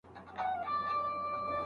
هغه وایي چې پوهه لویه سرمایه ده.